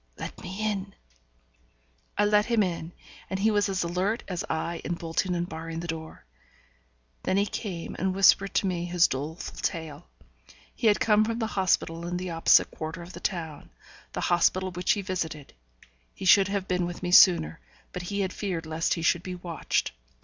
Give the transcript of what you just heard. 'Let me in.' I let him in, and he was as alert as I in bolting and barring the door. Then he came and whispered to me his doleful tale. He had come from the hospital in the opposite quarter of the town, the hospital which he visited; he should have been with me sooner, but he had feared lest he should be watched.